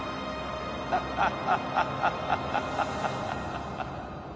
ハハハハハハッ！